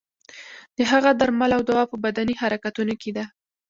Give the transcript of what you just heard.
د هغه درمل او دوا په بدني حرکتونو کې ده.